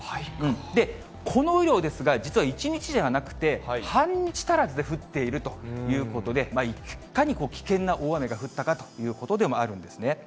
この雨量ですが、実は１日ではなくて、半日足らずで降っているということで、いかに危険な大雨が降ったかということでもあるんですね。